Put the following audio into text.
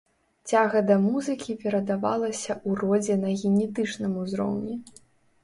Цяга да музыкі перадавалася ў родзе на генетычным узроўні.